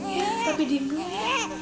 ya tapi dibeli